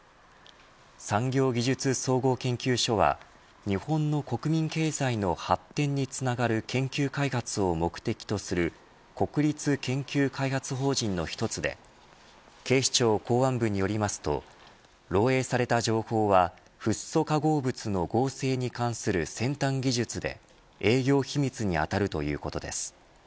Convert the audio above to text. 産業技術総合研究所は日本の国民経済の発展につながる研究開発を目的とする国立研究開発法人の一つで警視庁公安部によりますと漏えいされた情報はフッ素化合物の合成に関する先端技術で営業秘密に当たるということです。